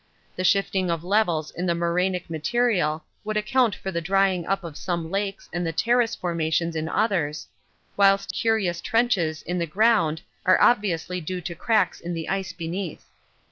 The shifting of levels in the morainic material would account for the drying up of some lakes and the terrace formations in others, whilst curious trenches in the ground are obviously due to cracks in the ice beneath.